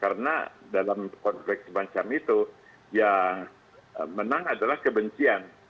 karena dalam konflik semacam itu yang menang adalah kebencian